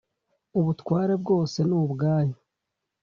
ubutware bwose nubwayo